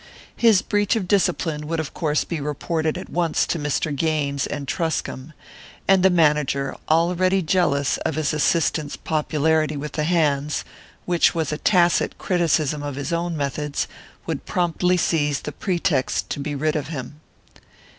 His breach of discipline would of course be reported at once to Mr. Gaines and Truscomb; and the manager, already jealous of his assistant's popularity with the hands, which was a tacit criticism of his own methods, would promptly seize the pretext to be rid of him.